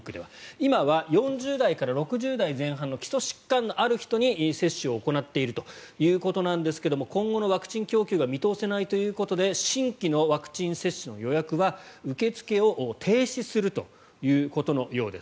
今は４０代から６０代前半の基礎疾患のある人に接種を行っているということですが今後のワクチン供給が見通せないということで新規のワクチン接種の予約は受付を停止するということのようです。